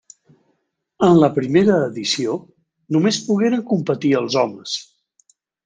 En la primera edició només pogueren competir els homes.